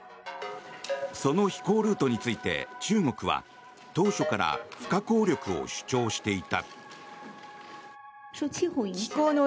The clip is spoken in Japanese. その飛行ルートについて中国は当初から不可抗力を主張していた。